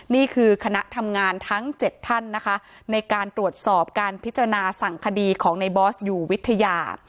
นี่คือคณะทำงานทั้ง๗ท่านนะคะในการตรวจสอบการพิจารณาสั่งคดีของในบอสอยู่วิทยา